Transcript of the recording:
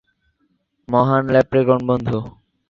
মহান ল্যাপ্রেকন বন্ধু!